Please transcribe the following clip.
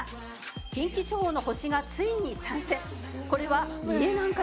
近畿地方の星がついに参戦。